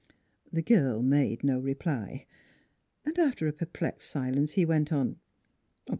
The girl made no reply. And after a perplexed silence he went on.